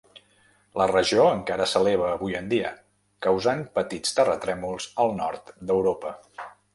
La regió encara s'eleva avui en dia, causant petits terratrèmols al nord d'Europa.